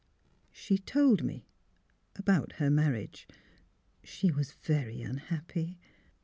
" She told me — about her marriage. She was very unhappy."